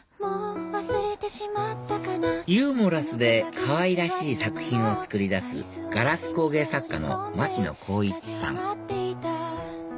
ユーモラスでかわいらしい作品を作り出すガラス工芸作家の牧野公一さん